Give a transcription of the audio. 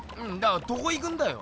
どこ行くんだよ。